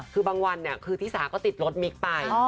คือบางวันเนี่ยคือทิศาก็ติดรถมิกซ์ไป